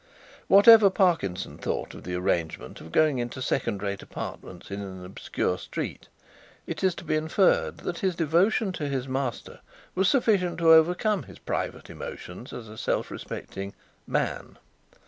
Whatever Parkinson thought of the arrangement of going into second rate apartments in an obscure street it is to be inferred that his devotion to his master was sufficient to overcome his private emotions as a self respecting "man."